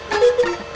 bapak hebat ya